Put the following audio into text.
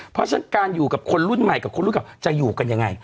เพราะฉะนั้นการอยู่กับคนรุ่นใหม่กับคนรุ่นเก่าจะอยู่กันยังไง